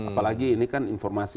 apalagi ini kan informasi